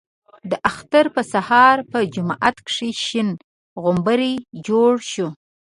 د اختر په سهار په جومات کې شین غومبر جوړ شو.